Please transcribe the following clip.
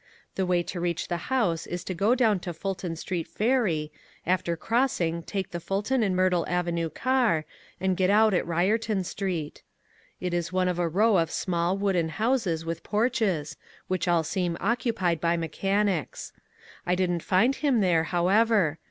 The way to reach the house is to go down to Fulton Street Ferry, after crossing take the Fulton and Myrtle Avenue car, and get out at Byerton Street. It is one of a row of small wooden houses with porches, which all seem occupied by mechanics. I did n't find him there, how ever.